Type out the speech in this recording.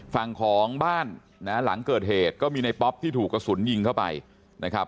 ฝั่งของบ้านนะหลังเกิดเหตุก็มีในป๊อปที่ถูกกระสุนยิงเข้าไปนะครับ